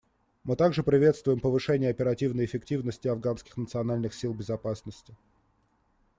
Мы также приветствуем повышение оперативной эффективности Афганских национальных сил безопасности.